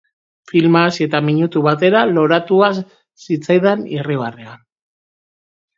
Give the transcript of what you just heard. Filma hasi eta minutu batera loratua zitzaidan irribarrea.